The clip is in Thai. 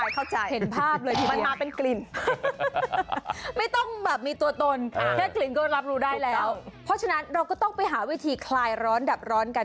คลายร้อนดับร้อนกันคุณผู้ชมโอ้ดีครับ